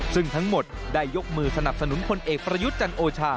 ซึ่งทั้งหมดได้ยกมือสนับสนุนพลเอกประยุทธ์จันโอชา